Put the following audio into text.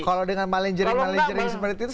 kalau dengan malinger malinger seperti itu